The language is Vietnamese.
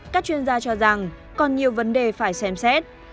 các chuyên gia cho rằng còn nhiều vấn đề phải xem xét